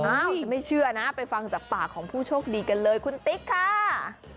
ฉันไม่เชื่อนะไปฟังจากปากของผู้โชคดีกันเลยคุณติ๊กค่ะ